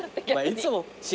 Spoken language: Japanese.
いつも。